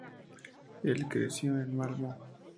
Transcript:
El creció en Malmö.